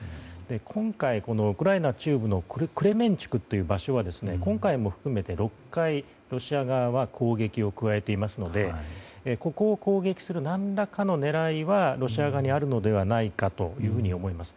今回、ウクライナ中部のクレメンチュクという場所は今回も含めて６回、ロシア側は攻撃を加えていますのでここを攻撃する何らかの狙いはロシア側にあるのではないかと思います。